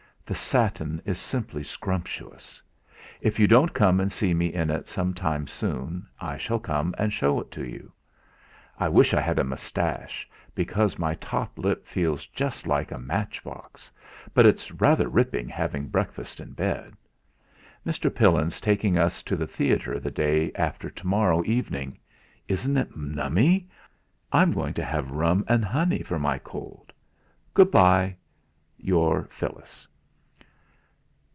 The satin is simply scrumptious. If you don't come and see me in it some time soon, I shall come and show it to you. I wish I had a moustache, because my top lip feels just like a matchbox, but it's rather ripping having breakfast in bed. Mr. Pillin's taking us to the theatre the day after to morrow evening. Isn't it nummy! I'm going to have rum and honey for my cold. "Good bye, "Your PHYLLIS."